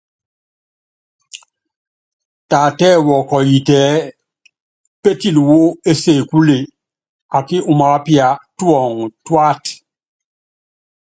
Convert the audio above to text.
Taatɛ́ɛ wɔkɔyitɛ ɛ́ɛ́ pétili wú ésekúle akí umaápíá tuɔŋu tuáta.